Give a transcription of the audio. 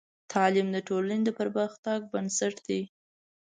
تعلیم د ټولنې د پرمختګ بنسټ دی.